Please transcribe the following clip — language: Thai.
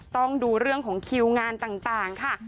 ต้องดูเรื่องของคิวงานต่างค่ะ